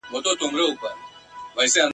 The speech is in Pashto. ما خو ویل چي نه را ګرځمه زه نه ستنېږم !.